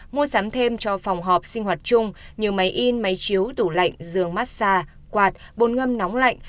mua sắm thêm cho phòng họp sinh hoạt chung như máy in máy chiếu tủ lạnh giường massage quạt bột ngâm nóng lạnh